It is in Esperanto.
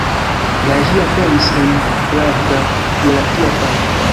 La ĝi aperis en «Pravda» je la tria paĝo.